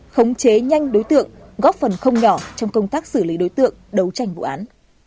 khống chế nhanh đối tượng góp phần không nhỏ trong công tác xử lý đối tượng đấu tranh vụ án